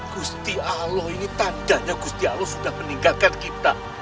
gusti allah ini tandanya gusti allah sudah meninggalkan kita